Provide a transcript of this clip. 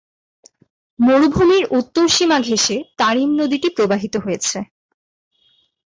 মরুভূমির উত্তর সীমা ঘেঁষে তারিম নদীটি প্রবাহিত হয়েছে।